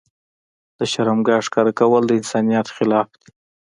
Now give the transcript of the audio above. د شرمګاه ښکاره کول د انسانيت خلاف دي.